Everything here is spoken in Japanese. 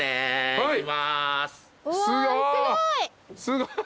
すごい。